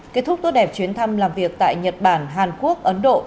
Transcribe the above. kết thúc tốt đẹp chuyến thăm làm việc tại nhật bản hàn quốc ấn độ